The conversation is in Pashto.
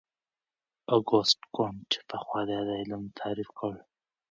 اګوست کُنت پخوا دا علم تعریف کړ.